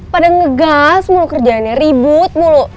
pada ngegas mulu kerjaannya ribut mulu